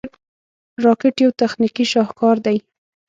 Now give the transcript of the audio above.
راکټ یو تخنیکي شاهکار دی